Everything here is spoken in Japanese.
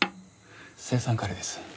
青酸カリです。